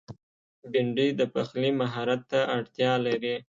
بېنډۍ د پخلي مهارت ته اړتیا لري